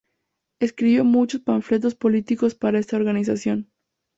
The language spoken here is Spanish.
Escribió muchos panfletos políticos para esta organización.